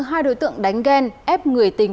hai đối tượng đánh ghen ép người tình